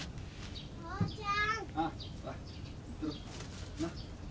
・父ちゃん。